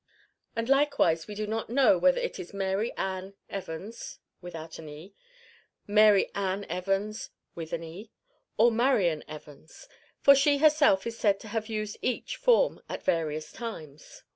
And likewise we do not know whether it is Mary Ann Evans, Mary Anne Evans or Marian Evans, for she herself is said to have used each form at various times.